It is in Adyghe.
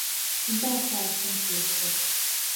Сыда партым телъыр?